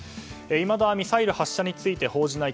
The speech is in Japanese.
いまだミサイル発射について報じない